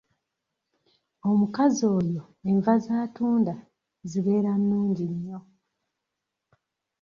Omukazi oyo enva z'atunda zibeera nnungi nnyo.